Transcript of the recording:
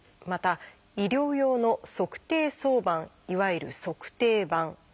また医療用の「足底挿板」いわゆる「足底板」。